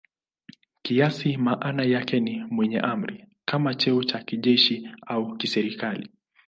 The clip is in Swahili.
Kiasili maana yake ni "mwenye amri" kama cheo cha kijeshi au kiserikali.